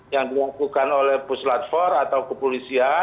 yang dilakukan oleh puslatfor atau kepolisian